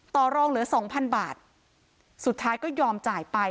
ต่อรองเหลือสองพันบาทสุดท้ายก็ยอมจ่ายไป